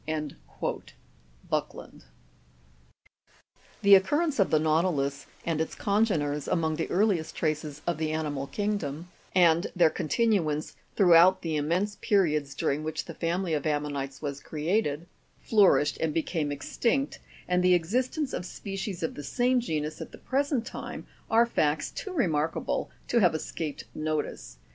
Buckland. The occurrence of the nautilus and its congeners among the earliest traces of the animal kingdom, and their continuance throughout the im mense periods during which the family of ammonites was created, flour ished, and became extinct, and the existence of species of the same genus at the present time, are facts too remarkable to have escaped notice.